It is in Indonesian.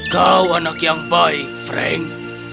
kau anak yang baik frank